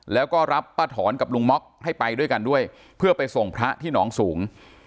แล้วก็รับป้าถอนกับลุงม็อกให้ไปด้วยกันด้วยเพื่อไปส่งพระที่หนองสูง